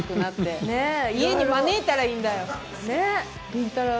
りんたろー。